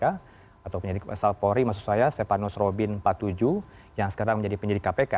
atau penyidik asal polri maksud saya stepanus robin empat puluh tujuh yang sekarang menjadi penyidik kpk